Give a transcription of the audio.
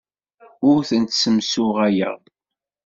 Ur tent-ssemsuɣaleɣ.